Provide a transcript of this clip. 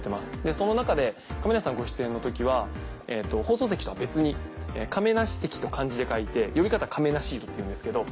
その中で亀梨さんご出演の時は放送席とは別にと漢字で書いて読み方「かめなシート」っていうんですけど。